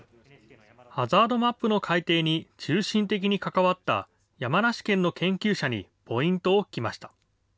ハザードマップの改定に、中心的に関わった山梨県の研究者にポイントを聞きました。